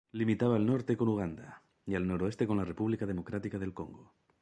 Limitaba al norte con Uganda, y al noroeste con la República Democrática del Congo.